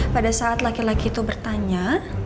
pada saat laki laki itu bertanya